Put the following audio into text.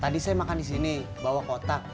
tadi saya makan disini bawa kotak